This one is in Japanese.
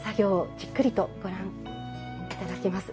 じっくりとご覧頂きます。